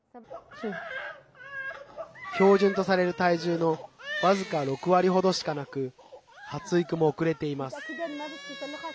標準とされる体重の僅か６割ほどしかなく発育も遅れています。